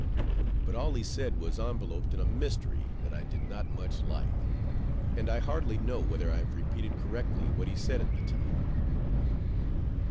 But all he said was enveloped in a mystery that I did not much like; and I hardly know whether I have repeated correctly what he said at the time.